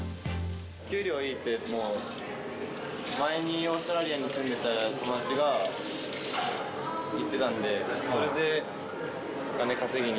給料がいいって、もう、前にオーストラリアに住んでいた友達が言ってたんで、それで、